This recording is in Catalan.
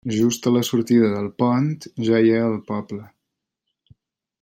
Just a la sortida del pont ja hi ha el poble.